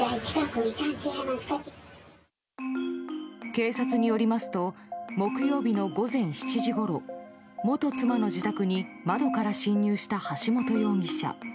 警察によりますと木曜日の午前７時ごろ元妻の自宅に窓から侵入した橋本容疑者。